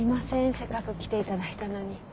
せっかく来ていただいたのに。